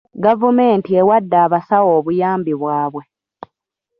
Gavumenti ewadde abasawo obuyambi bwabwe.